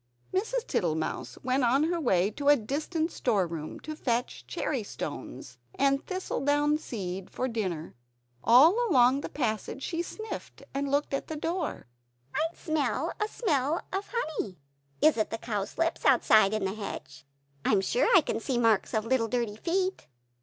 Mrs. Tittlemouse went on her way to a distant storeroom, to fetch cherrystones and thistle down seed for dinner. All along the passage she sniffed, and looked at the floor. "I smell a smell of honey; is it the cowslips outside, in the hedge? I am sure I can see the marks of little dirty feet."